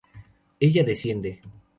Ella desciende.